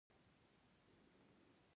پورې ، وځي